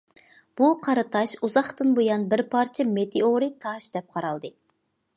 بۇ قارا تاش ئۇزاقتىن بۇيان بىر پارچە مېتېئورىت تاش دەپ قارالدى.